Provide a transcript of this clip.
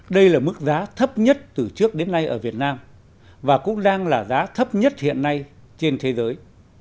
đây là mức giá thấp nhất từ trước đến nay ở việt nam và cũng đang là giá thấp nhất hiện nay trên thế giới